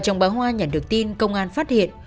trong bãi hoa nhận được tin công an phát hiện